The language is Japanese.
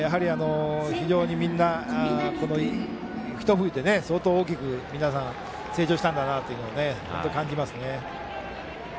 非常にみんなひと冬で相当大きく皆さん、成長したんだなと感じますね。